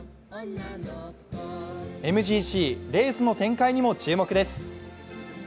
ＭＧＣ、レースの展開にも注目です。